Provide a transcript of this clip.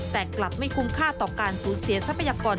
แต่กลับไม่คุ้มค่าต่อการสูญเสียทรัพยากร